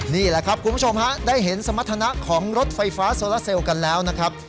นี่แหละครับคุณผู้ชมฮะได้เห็นสมรรถนะของรถไฟฟ้าโซลาเซลกันแล้วนะครับ